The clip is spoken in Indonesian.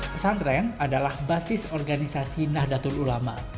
pesantren adalah basis organisasi nahdlatul ulama